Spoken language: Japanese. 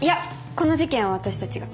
この事件は私たちが。